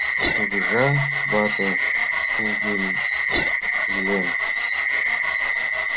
Кугыжа вате сугыньлен